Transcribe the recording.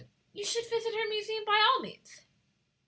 You should visit her museum by all means."